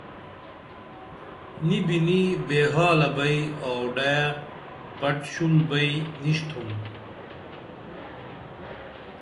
نی بِنی بے حالہ بئی آوڈے پٹ شول بئی نِشتُھم